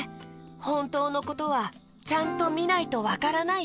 ほんとうのことはちゃんとみないとわからないよね。